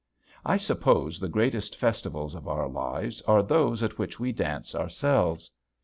I suppose the greatest festivals of our lives are those at which we dance ourselves.